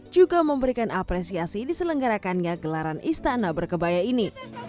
juga memberikan apresiasi diselenggarakannya gelaran istana berkebaya ini